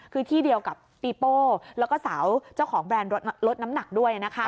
คือที่เดียวกับปีโป้แล้วก็เสาเจ้าของแบรนด์ลดน้ำหนักด้วยนะคะ